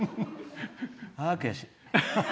ああ、悔しい。